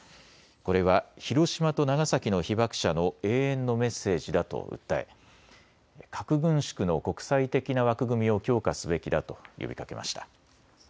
これは広島と長崎の被爆者の永遠のメッセージだと訴え核軍縮の国際的な枠組みを強化すべきだと呼びかけました。